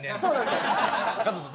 加藤さん